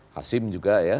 hasim juga ya